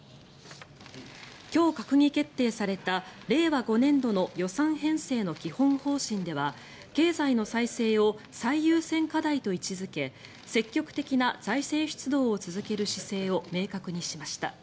今日閣議決定された令和５年度の予算編成の基本方針では経済の再生を最優先課題と位置付け積極的な財政出動を続ける姿勢を明確にしました。